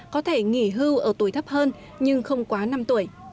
có thể nghỉ hưu ở tuổi thấp hơn nhưng không quá năm tuổi